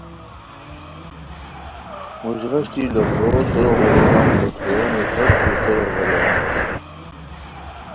موژغیشٹی لوٹھورو سورو غیریران، لوٹھورو موژغیشٹیو سورو غیریران